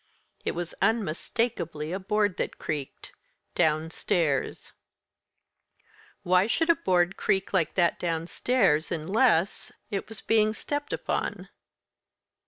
It was unmistakably a board that creaked downstairs. Why should a board creak like that downstairs, unless it was being stepped upon?